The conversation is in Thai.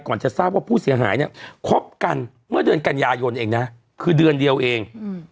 จะทราบว่าผู้เสียหายเนี่ยคบกันเมื่อเดือนกันยายนเองนะคือเดือนเดียวเอง